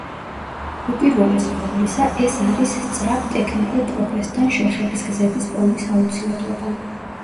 უპირველეს ყოვლისა, ეს არის სწრაფ ტექნიკურ პროგრესთან შეხების გზების პოვნის აუცილებლობა.